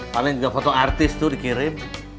paling juga foto artis tuh dikirim